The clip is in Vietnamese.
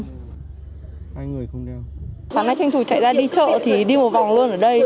hôm nay tranh thủ chạy ra đi chợ thì đi một vòng luôn ở đây